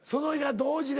同時で。